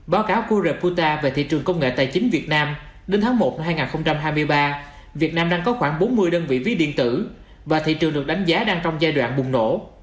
báo cáo của re puta về thị trường công nghệ tài chính việt nam đến tháng một năm hai nghìn hai mươi ba việt nam đang có khoảng bốn mươi đơn vị ví điện tử và thị trường được đánh giá đang trong giai đoạn bùng nổ